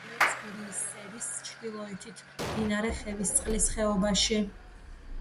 მდებარეობს გურიის სერის ჩრდილოეთით, მდინარე ხევისწყლის ხეობაში.